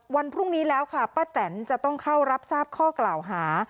วันพรุ่งนี้แล้วค่ะป้าแตนจะต้องเข้ารับทราบข้อกล่าวหา